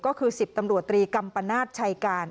ก็คือ๑๒ตำรวจตรีกำประนาจไชการ